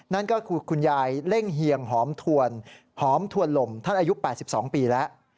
นั่นก็คือคุณยายเล่งเฮียงหอมถวนหอมถวนลมท่านอายุ๘๒ปีแล้ว